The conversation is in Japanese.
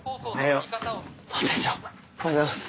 あっ店長おはようございます。